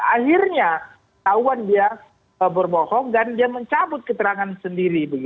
akhirnya tahuan dia berbohong dan dia mencabut keterangan sendiri